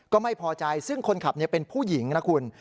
ก็ไม่พอใจซึ่งคนขับเป็นผู้หญิงนะคุณ